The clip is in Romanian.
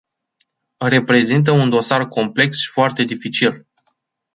Reprezintă un dosar complex și foarte dificil.